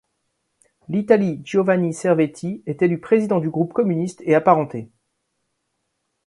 L'Italie Giovanni Cervetti est élu président du groupe communiste et apparentés.